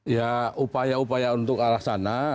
ya upaya upaya untuk arah sana